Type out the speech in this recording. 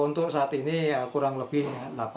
untuk saat ini kurang lebih delapan jam